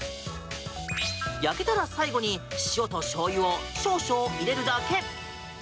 焼けたら、最後に塩としょうゆを少々入れるだけ。